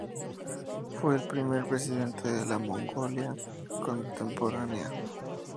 Fue el primer presidente de la Mongolia contemporánea.